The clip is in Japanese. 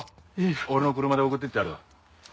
俺の車で送っていってやるわ。